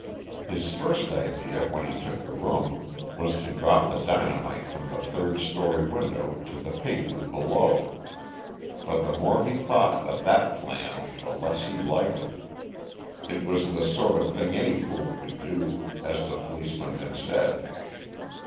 His first idea when he took the room was to drop the dynamite from the third story window to the pavement below, but the more he thought of that plan the less he liked it. It was the sort of thing any fool could do, as the policeman had said.